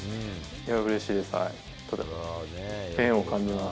うれしいです。